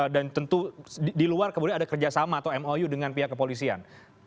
dan tentu di luar kemudian ada kerjasama atau mou dengan pihak polisian